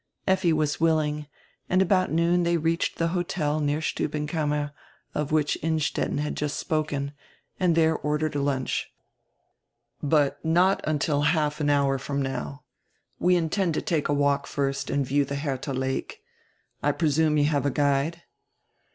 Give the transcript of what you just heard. Effi was willing, and about noon diey reached die hotel near Stubbenkammer, of which Innstetten had just spoken, and diere ordered a lunch. "But not until half an hour from now. We intend to take a walk first and view die Herdia Lake. I presume you have a guide?"